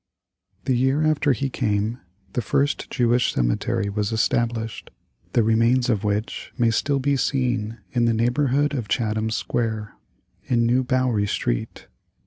The year after he came, the first Jewish cemetery was established, the remains of which may still be seen in the neighborhood of Chatham Square in New Bowery Street.